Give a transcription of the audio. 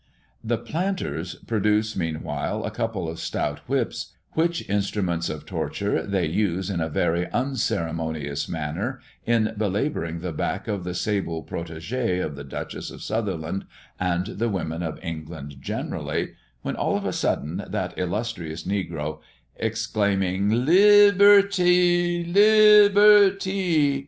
The planters produce meanwhile a couple of stout whips, which instruments of torture they use in a very unceremonious manner, in belabouring the back of the sable protegé of the Duchess of Sutherland and the women of England generally, when all of a sudden, that illustrious negro, exclaiming, "LI BER R R TY! LIBER R R TY!"